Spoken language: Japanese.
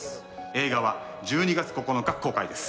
映画は１２月９日公開です。